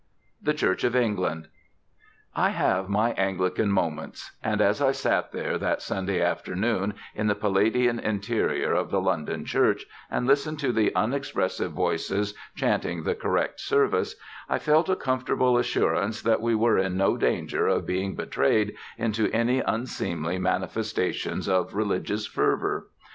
THE CHURCH OF ENGLAND I have my Anglican moments; and as I sat there that Sunday afternoon, in the Palladian interior of the London Church, and listened to the unexpressive voices chanting the correct service, I felt a comfortable assurance that we were in no danger of being betrayed into any unseemly manifestations of religious fervor.